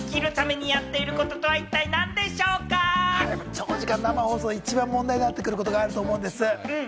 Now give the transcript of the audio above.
長時間生放送で一番問題になってくることがあるんです。